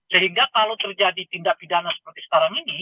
sehingga kalau terjadi tindak pidana seperti sekarang ini